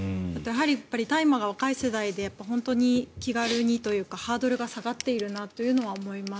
大麻が若い世代で本当に気軽にというかハードルが下がってるなというのは思います。